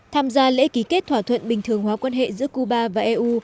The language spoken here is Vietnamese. tham gia lễ ký kết thỏa thuận bình thường hóa quan hệ giữa cuba và eu